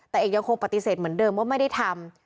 แต่เอกยังคงปฏิเสธเหมือนเดิมว่าไม่ได้ทำ